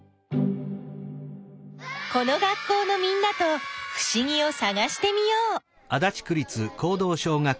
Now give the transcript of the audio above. この学校のみんなとふしぎをさがしてみよう。